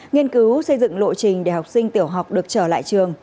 nghiên cứu xây dựng lộ trình để học sinh tiểu học được trở lại trường